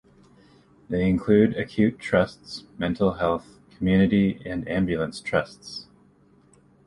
They include acute trusts, mental health, community and ambulance trusts.